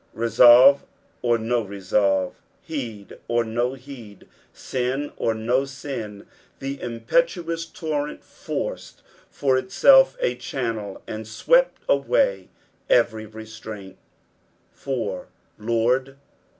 Resolve or no resolve, heeil or no heed, sin or no sin, the impetuous torrent forced for itself a channel and swept away every restraint, 4. " Zora."